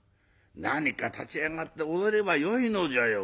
何か立ち上がって踊ればよいのじゃよ。